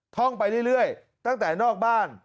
ท่องไปเรื่อยตั้งแต่นอกบ้าน